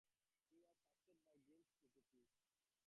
He was succeeded by Gilles Duceppe.